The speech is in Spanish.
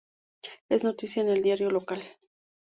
Es noticia en el diario local.